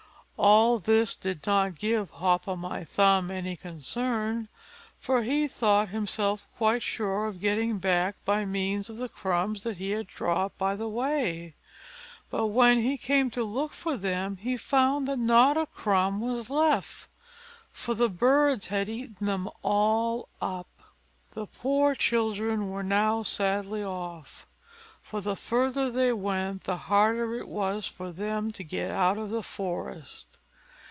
All this did not give Hop o' my thumb any concern, for he thought himself quite sure of getting back by means of the crumbs that he had dropped by the way; but when he came to look for them he found that not a crumb was left, for the birds had eaten them all up. The poor children were now sadly off, for the further they went the harder it was for them to get out of the forest.